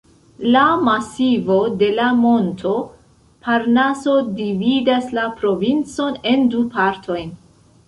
La masivo de la monto Parnaso dividas la provincon en du partojn.